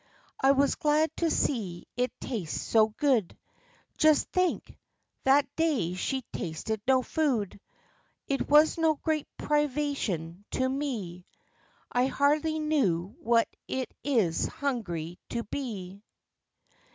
I was glad to see it taste so good. Just think ! that day she'd tasted no food. It was no great privation to me; I hardly know what it is hungry to be."